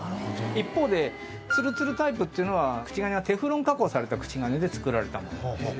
一方でつるつるタイプっていうのはテフロン加工された口金で作られたものです。